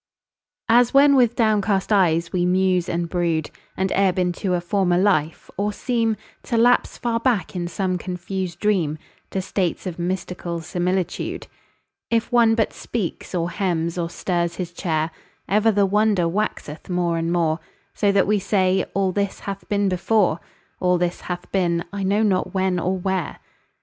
As when with downcast eyes we muse and brood, And ebb into a former life, or seem To lapse far back in some confused dream To states of mystical similitude; If one but speaks or hems or stirs his chair, Ever the wonder waxeth more and more, So that we say, "All this hath been before, All this hath been, I know not when or where".